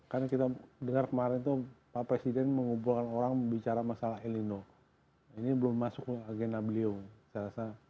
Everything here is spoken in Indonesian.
kan kita dengar kemarin itu pak presiden mengumpulkan orang bicara masalah elinor ini belum masuk ke agenda beliau